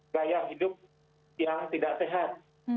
gaya hidup yang tidak sehat